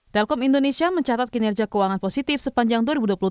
telkom indonesia mencatat kinerja keuangan positif sepanjang dua ribu dua puluh tiga